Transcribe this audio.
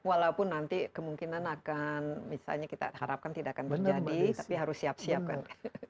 walaupun nanti kemungkinan akan misalnya kita harapkan tidak akan terjadi tapi harus siap siap kan